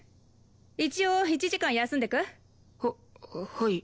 一応１時間休んでく？ははい。